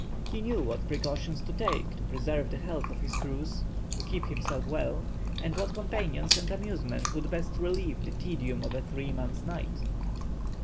He knew what precautions to take to preserve the health of his crews, to keep himself well, and what occupations and amusements would best relieve the tedium of a three months' night.